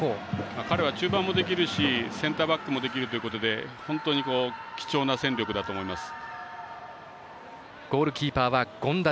彼は中盤もできるしセンターバックもできるということで貴重な戦力だと思います。